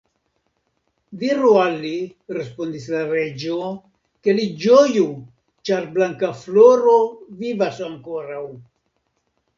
Diru al li, respondis la reĝo, ke li ĝoju, ĉar Blankafloro vivas ankoraŭ.